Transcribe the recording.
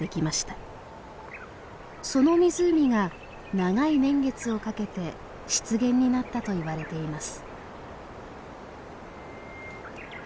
その湖が長い年月をかけて湿原になったといわれています。